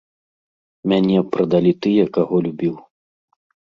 Мяне прадалі тыя, каго любіў.